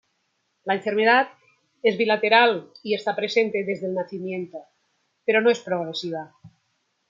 La enfermedad es bilateral y está presente desde el nacimiento, pero no es progresiva.